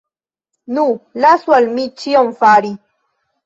Nu, lasu al mi ĉion fari!